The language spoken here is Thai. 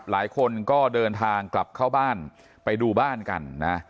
หลายคนก็เดินทางกลับเข้าบ้านไปดูบ้านกันนะ